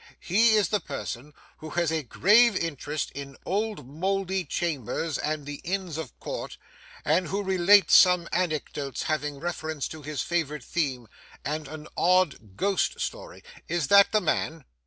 He is the person who has a grave interest in old mouldy chambers and the Inns of Court, and who relates some anecdotes having reference to his favourite theme,—and an odd ghost story,—is that the man?